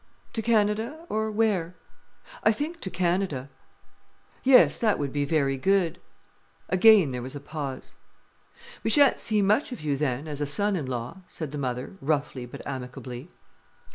"To Canada? or where?" "I think to Canada." "Yes, that would be very good." Again there was a pause. "We shan't see much of you then, as a son in law," said the mother, roughly but amicably.